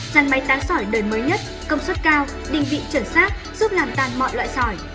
trang máy tán sòi đời mới nhất công suất cao định vị chuẩn xác